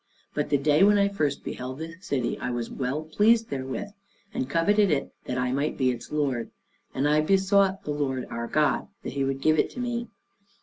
But the day when I first beheld this city I was well pleased therewith, and coveted it that I might be its lord; and I besought the Lord our God that he would give it me.